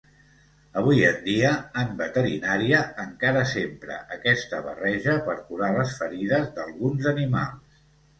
Avui en dia, en veterinària, encara s'empra aquesta barreja per curar les ferides d'alguns animals.